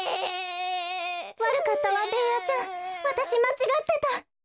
わるかったわベーヤちゃんわたしまちがってた。